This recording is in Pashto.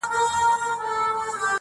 ستاسي ذات باندي جامې مو چي گنډلي !.